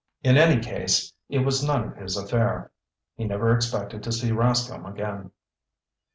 In any case, it was none of his affair. He never expected to see Rascomb again.